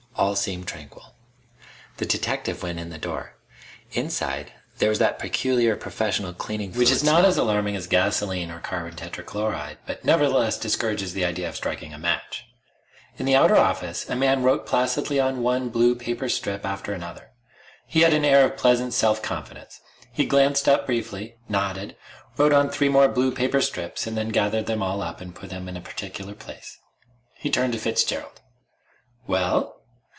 All seemed tranquil. The detective went in the door. Inside there was that peculiar, professional cleaning fluid smell, which is not as alarming as gasoline or carbon tetrachloride, but nevertheless discourages the idea of striking a match. In the outer office a man wrote placidly on one blue paper strip after another. He had an air of pleasant self confidence. He glanced up briefly, nodded, wrote on three more blue paper strips, and then gathered them all up and put them in a particular place. He turned to Fitzgerald. "Well?"